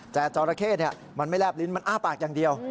แต่จราเข้มันไม่แลบลิ้นมันอ้าปากอย่างเดียว